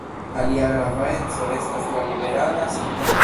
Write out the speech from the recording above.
Alia grava eco estas la liberala sinteno.